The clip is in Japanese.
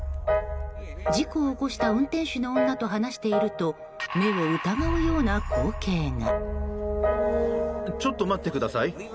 事故を起こした運転手の女と話していると目を疑うような光景が。